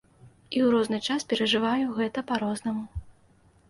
І ў розны час перажываю гэта па-рознаму.